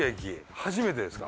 初めてですか？